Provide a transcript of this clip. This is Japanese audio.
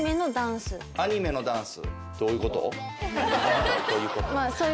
アニメのダンス。